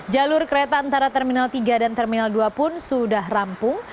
jalur kereta antara terminal tiga dan terminal dua pun sudah rampung